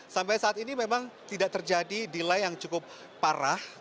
sampai saat ini memang tidak terjadi delay yang cukup parah